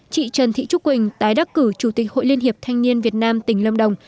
chị trần thị trúc quỳnh tái đắc cử chủ tịch hội liên hiệp thanh niên việt nam tỉnh lâm đồng